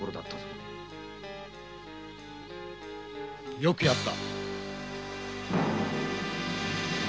よくやった。